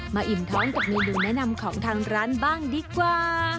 อิ่มท้องกับเมนูแนะนำของทางร้านบ้างดีกว่า